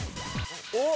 おっ！